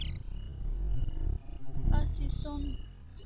Asi son